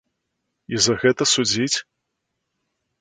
І за гэта судзіць?